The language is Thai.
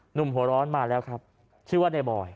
หนุ่มหัวร้อนมาแล้วครับชื่อว่าในบอย